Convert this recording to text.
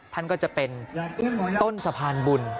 ท่านก็จะเป็นต้นสะพานบุญ